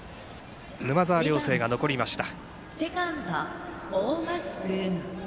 沼澤梁成が残りました。